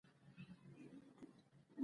له ګيري نیولې تر ګیټس پورې ټولو وګټل